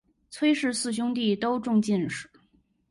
崔氏四兄弟都中进士。